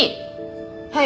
はい。